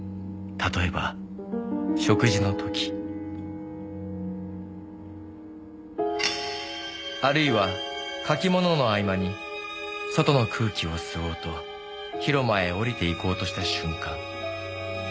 「譬えば食事の時」「あるいは書きものの合間に外の空気を吸おうと広間へ降りて行こうとした瞬間」